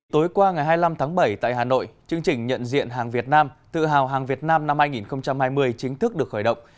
tối qua ngày hai mươi năm tháng bảy tại hà nội chương trình nhận diện hàng việt nam tự hào hàng việt nam năm hai nghìn hai mươi chính thức được khởi động